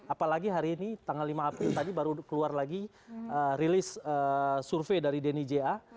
apalagi hari ini tanggal lima april tadi baru keluar lagi rilis survei dari denny ja